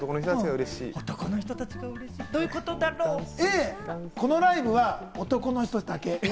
Ａ・このライブは男の人だけ。